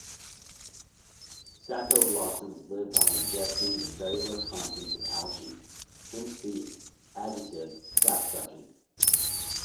Sacoglossans live by ingesting the cellular contents of algae, hence the adjective "sap-sucking".